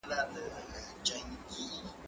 زه بايد موبایل کار کړم؟!